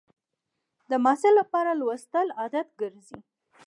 د محصل لپاره لوستل عادت ګرځي.